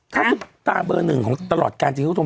ถ้าตั้งเบอร์หนึ่งของตลอดการจี๊วทรง